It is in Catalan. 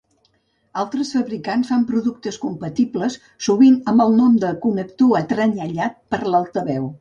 Altres fabricants fan productes compatibles, sovint amb el nom de connector atrenyellat per a altaveu.